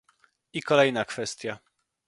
I kolejna kwestia